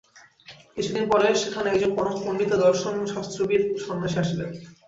কিছুদিন পরে সেখানে একজন পরম পণ্ডিত ও দর্শনশাস্ত্রবিৎ সন্ন্যাসী আসিলেন।